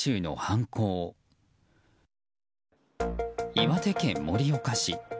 岩手県盛岡市。